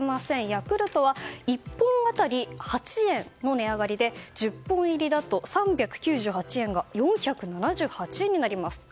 ヤクルトは１本当たり８円の値上がりで１０本入りだと３９８円が４７８円になります。